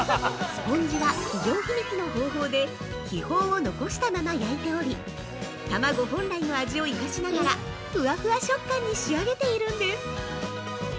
◆スポンジは企業秘密の方法で気泡を残したまま焼いており卵本来の味を生かしながらふわふわ食感に仕上げているんです。